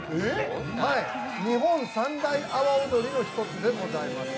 日本三大阿波おどりの一つでございます。